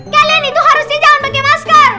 kalian itu harusnya jangan pakai masker